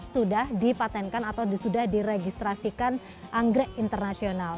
sudah dipatenkan atau sudah diregistrasikan anggrek internasional